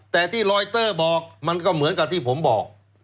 แต่ที่ลอยเตอร์บอกมันก็เหมือนกับที่ผมบอก